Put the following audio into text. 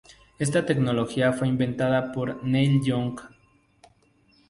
Esta tecnología fue inventada por Neil Young.